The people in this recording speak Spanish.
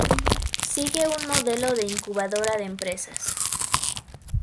Sigue un modelo de incubadora de empresas.